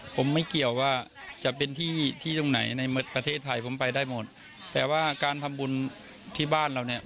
ผมไม่เกี่ยวว่าจะเป็นที่ที่ตรงไหนในประเทศไทยผมไปได้หมดแต่ว่าการทำบุญที่บ้านเราเนี่ย